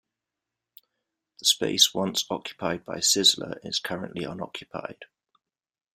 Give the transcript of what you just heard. The space once occupied by Sizzler is currently unoccupied.